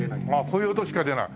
こういう音しか出ない？